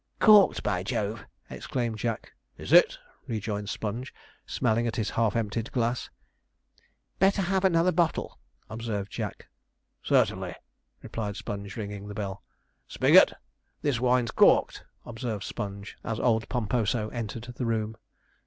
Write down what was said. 'Corked, by Jove!' exclaimed Jack. 'It is!' rejoined Sponge, smelling at his half emptied glass. 'Better have another bottle,' observed Jack. 'Certainly,' replied Sponge, ringing the bell. 'Spigot, this wine's corked,' observed Sponge, as old Pomposo entered the room.